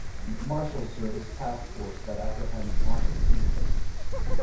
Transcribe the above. Marshals Service task force that apprehends wanted fugitives.